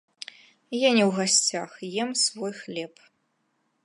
Я не ў гасцях, ем свой хлеб.